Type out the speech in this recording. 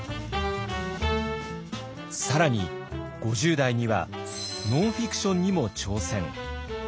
更に５０代にはノンフィクションにも挑戦。